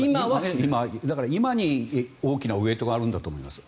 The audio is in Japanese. だから、今に大きなウェートがあるんだと思います。